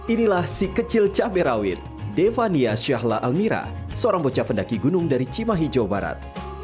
inilah si kecil cabai rawit devania syahla almira seorang bocah pendaki gunung dari cimahi jawa barat